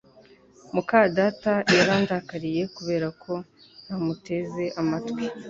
muka data yarandakariye kubera ko ntamuteze amatwi